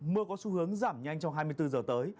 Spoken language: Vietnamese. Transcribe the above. mưa có xu hướng giảm nhanh trong hai mươi bốn giờ tới